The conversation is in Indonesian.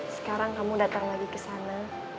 sekarang kamu datang lagi kesana